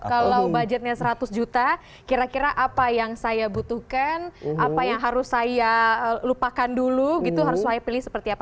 kalau budgetnya seratus juta kira kira apa yang saya butuhkan apa yang harus saya lupakan dulu gitu harus saya pilih seperti apa